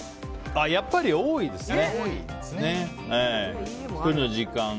やっぱり多いですね。